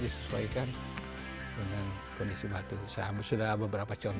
missara ingin membangun disini tapi tanpa mengganggu batu batu ini